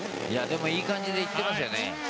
でも、いい感じで行っていますよね。